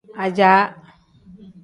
Ajaa.